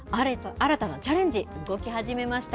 新たなチャレンジ、動き始めました。